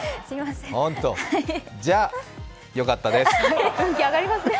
じゃあ、よかったです。